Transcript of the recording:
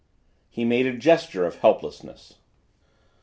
He made a gesture of helplessness.